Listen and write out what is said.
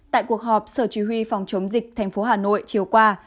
tại cuộc họp sở chỉ huy phòng chống dịch thành phố hà nội chiều qua